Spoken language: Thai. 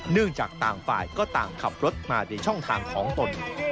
เนื่องจากต่างฝ่ายก็ต่างขับรถมาในช่องทางของตน